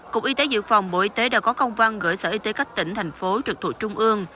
cục y tế dự phòng bộ y tế đã có công văn gửi sở y tế các tỉnh thành phố trực thuộc trung ương